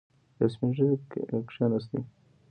يو سپين ږيری کېناست.